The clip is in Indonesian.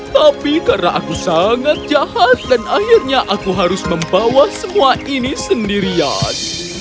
tapi karena aku sangat jahat dan akhirnya aku harus membawa semua ini sendirian